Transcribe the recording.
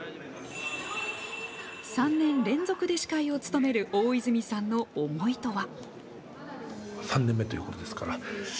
３年連続で司会を務める大泉さんの思いとは？